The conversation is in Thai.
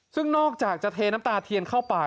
ซึ่งนอกจากจะเทน้ำตาเทียนเข้าป่า